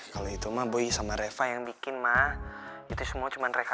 kalau boy gak mutusin reva